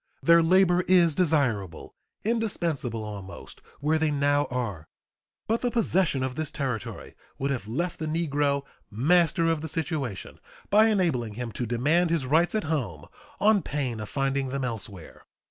Their labor is desirable indispensable almost where they now are. But the possession of this territory would have left the negro "master of the situation," by enabling him to demand his rights at home on pain of finding them elsewhere.